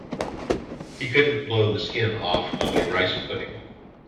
He couldn't blow the skin off a rice pudding.